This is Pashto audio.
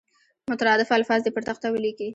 مترادف الفاظ دې پر تخته ولیکي.